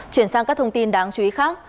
chuyển sang các thông tin đáng chú ý khác